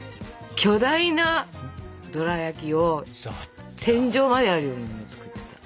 巨大なドラやきを天井まであるようなの作ってた。